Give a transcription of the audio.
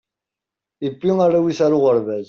iwwi arraw is ar uɣerbaz